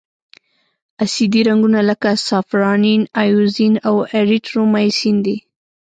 اسیدي رنګونه لکه سافرانین، ائوزین او ایریترومایسین دي.